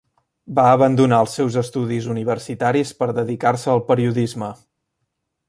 Va abandonar els seus estudis universitaris per dedicar-se al periodisme.